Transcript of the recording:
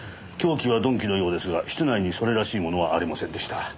凶器は鈍器のようですが室内にそれらしい物はありませんでした。